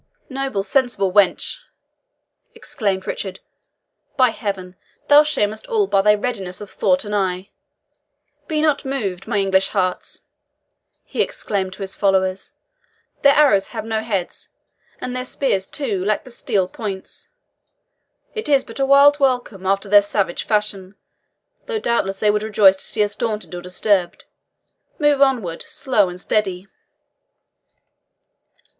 "Noble, sensible wench!" exclaimed Richard; "by Heaven, thou shamest us all by thy readiness of thought and eye. Be not moved, my English hearts," he exclaimed to his followers; "their arrows have no heads and their spears, too, lack the steel points. It is but a wild welcome, after their savage fashion, though doubtless they would rejoice to see us daunted or disturbed. Move onward, slow and steady."